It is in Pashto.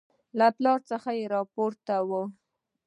له پلاره څه راپاته وو.